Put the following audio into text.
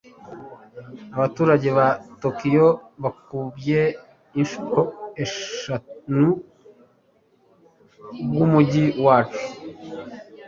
abaturage ba tokiyo bakubye inshuro eshanu ubw'umujyi wacu